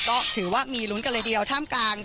ก็ถือว่ามีลุ้นกันเลยเดียวท่ามกลาง